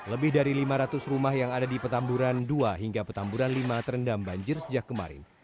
lebih dari lima ratus rumah yang ada di petamburan dua hingga petamburan lima terendam banjir sejak kemarin